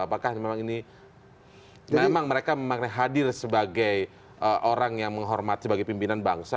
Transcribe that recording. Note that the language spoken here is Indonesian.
apakah memang ini memang mereka hadir sebagai orang yang menghormati sebagai pimpinan bangsa